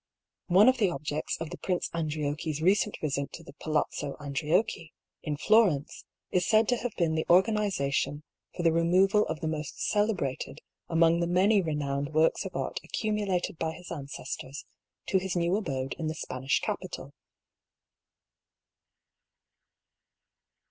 One of the objects of the Prince Andriocchi's recent visit to the Palazzo Andriocchi, in Florence, is said to have been the organisation for the removal of the most celebrated among the many renowned works of art accumulated by his ancestors to his new abode in the Spanish capital."